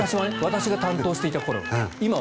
私が担当していた頃は。